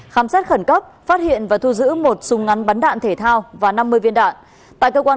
công an tp lạng sơn đã phát hiện và thu giữ một đĩa xứ màu trắng một túi ni lông bên trong chứa chất ma túy và một túi ni lông bên trong chứa chất ma túy